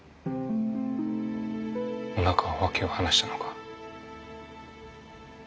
おなかは訳を話したのか？